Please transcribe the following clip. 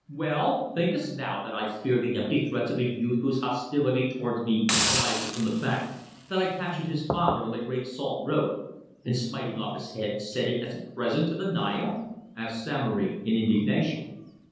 "Well, thinkest thou that I fear the empty threats of a youth whose hostility towards me arises from the fact that I captured his father on the Great Salt Road, and smiting off his head, sent it as a present to the Naya?" asked Samory in indignation.